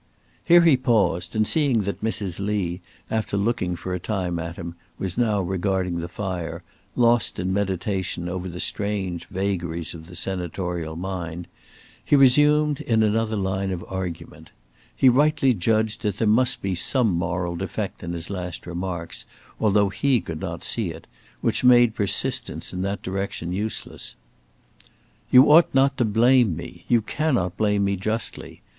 Here he paused, and seeing that Mrs. Lee, after looking for a time at him, was now regarding the fire, lost in meditation over the strange vagaries of the senatorial mind, he resumed, in another line of argument. He rightly judged that there must be some moral defect in his last remarks, although he could not see it, which made persistence in that direction useless. "You ought not to blame me you cannot blame me justly.